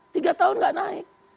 tiga tahun tidak naik